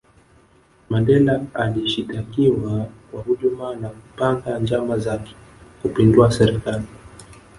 mandela alishitakiwa kwa hujuma na kupanga njama za kupindua serikali